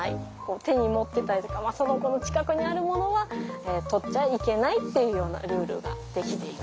手に持ってたりとかその子の近くにあるものは取っちゃいけないっていうようなルールが出来ています。